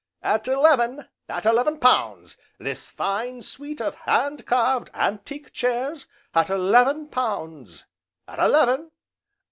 "At eleven, at eleven pounds! this fine suite of hand carved antique chairs, at eleven pounds! at eleven!